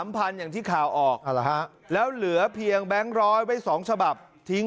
อย่างที่ข่าวออกแล้วเหลือเพียงแบงค์ร้อยไว้๒ฉบับทิ้ง